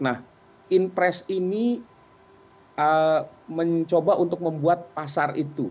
nah inpres ini mencoba untuk membuat pasar itu